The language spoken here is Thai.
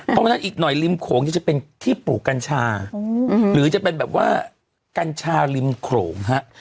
เพราะฉะนั้นอีกหน่อยริมโขงนี่จะเป็นที่ปลูกกัญชาหรือจะเป็นแบบว่ากัญชาริมโขลงฮะ